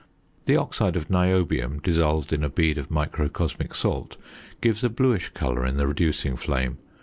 The oxide of niobium dissolved in a bead of microcosmic salt gives a bluish colour in the reducing flame.